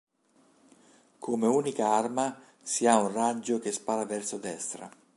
Come unica arma si ha un raggio che spara verso destra.